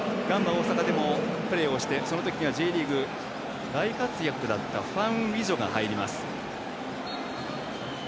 大阪でもプレーをしてその時はＪリーグ大活躍だったファン・ウィジョが入ります。